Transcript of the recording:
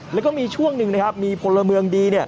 แล้วก็มีช่วงหนึ่งนะครับมีพลเมืองดี